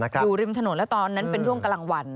อยู่ริมถนนแล้วตอนนั้นเป็นช่วงกลางวัน